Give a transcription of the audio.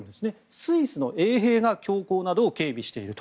スイスの衛兵が教皇などを警備していると。